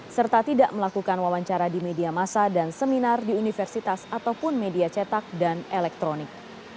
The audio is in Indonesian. serta tidak melakukan wawancara di media masa dan seminar di universitas ataupun media cetak dan elektronik